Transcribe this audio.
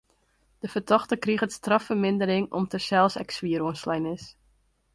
De fertochte kriget straffermindering om't er sels ek swier oanslein is.